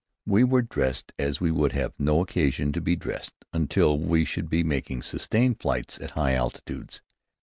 We were dressed as we would have no occasion to be dressed until we should be making sustained flights at high altitudes.